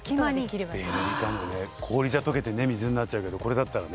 氷じゃ溶けてね水になっちゃうけどこれだったらね。